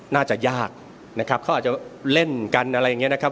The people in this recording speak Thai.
น่าจะยากนะครับเขาอาจจะเล่นกันอะไรอย่างนี้นะครับ